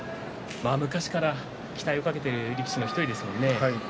昔から期待をかけている力士の１人ですね。